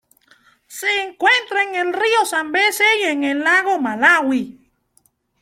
Se encuentra en el río Zambeze y en el lago Malawi.